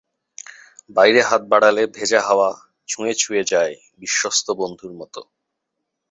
বাইরে হাত বাড়ালে ভেজা হাওয়া ছুঁয়ে ছুঁয়ে যায় বিশ্বস্ত বন্ধুর মতো।